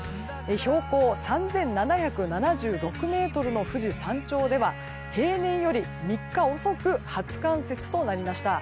標高３７７６ｍの富士山頂では平年より３日遅く初冠雪となりました。